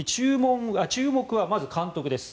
注目はまず監督です。